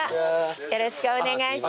よろしくお願いします。